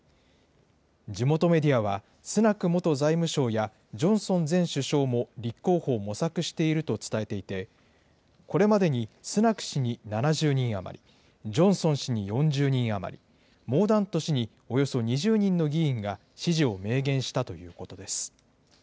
地元メディアは、スナク元財務相やジョンソン前首相も立候補を模索していると伝えていて、これまでにスナク氏に７０人余り、ジョンソン氏に４０人余り、モーダント氏におよそ２０人の議員が支持を明言したということです。